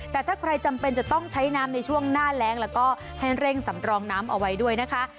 แต่ถ้าใครจำเป็นจะต้องใช้น้ำในช่วงหน้าแรงแล้วก็ให้เร่งสำรองน้ำเอาไว้ด้วยนะคะ